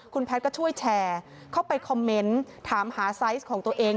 คุณแพทย์ก็ช่วยแชร์เข้าไปคอมเมนต์ถามหาไซส์ของตัวเอง